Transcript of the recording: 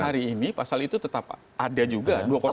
maksud saya hari ini pasal itu tetap ada juga